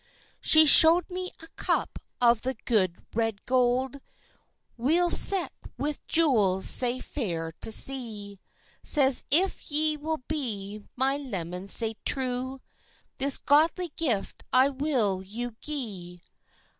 She show'd me a cup of the good red gowd, Weel set with jewels sae fair to see; Says—"If ye will be my leman sae true, This goodly gift I will you gi'e."